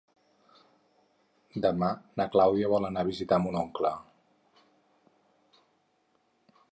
Demà na Clàudia vol anar a visitar mon oncle.